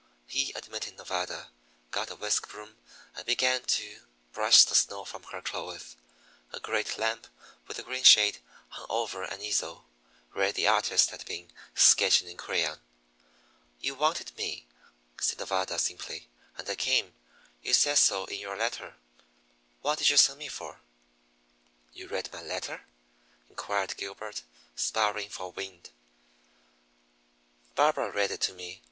He admitted Nevada, got a whisk broom, and began to brush the snow from her clothes. A great lamp, with a green shade, hung over an easel, where the artist had been sketching in crayon. "You wanted me," said Nevada simply, "and I came. You said so in your letter. What did you send for me for?" "You read my letter?" inquired Gilbert, sparring for wind. "Barbara read it to me.